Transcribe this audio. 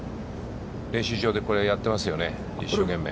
練習場でこれをやっていますよね、一生懸命。